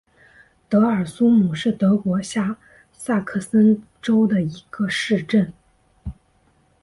德尔苏姆是德国下萨克森州的一个市镇。